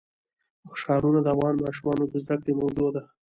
ښارونه د افغان ماشومانو د زده کړې موضوع ده.